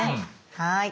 はい。